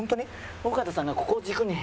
尾形さんがここを軸にやってて。